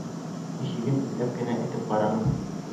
Ишеген ипләп кенә этеп ҡараным.